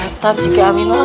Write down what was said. kekuatan siki aminullah